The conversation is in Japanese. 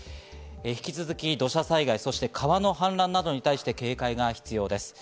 引き続き土砂災害、川の氾濫などに警戒が必要です。